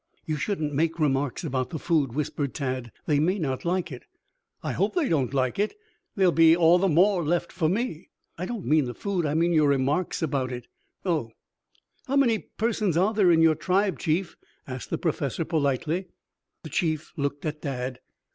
"You shouldn't make remarks about the food," whispered Tad. "They may not like it." "I hope they don't like it. There'll be all the more left for me." "I don't mean the food, I mean your remarks about it." "Oh!" "How many persons are there in your tribe, chief?" asked the Professor politely. The chief looked at Dad.